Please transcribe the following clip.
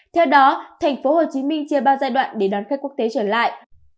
theo đó thành phố hồ chí minh chia ba giai đoạn để đón khách quốc tế trở lại